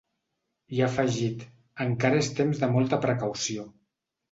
I ha afegit: Encara és temps de molta precaució.